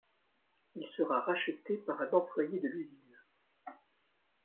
Il sera racheté par un employé de l’usine.